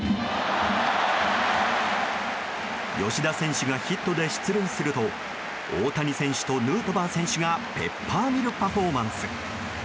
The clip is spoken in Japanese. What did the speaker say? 吉田選手がヒットで出塁すると大谷選手とヌートバー選手がペッパーミルパフォーマンス。